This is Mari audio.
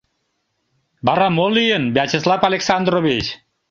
— Вара мо лийын, Вячеслав Александрович?